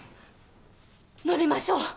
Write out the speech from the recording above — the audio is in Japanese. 乗りましょう。